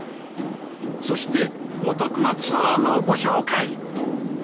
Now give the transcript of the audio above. そしてお得なツアーもご紹介。